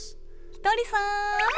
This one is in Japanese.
ひとりさん！